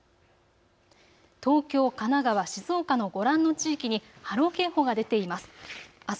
東京、神奈川、静岡のご覧の地域に波浪警報が出ています。